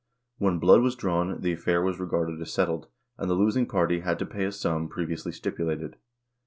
When blood was drawn, the affair was regarded as settled, and the losing party had to pay a sum pre viously stipulated.